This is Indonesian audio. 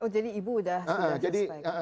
jadi ibu sudah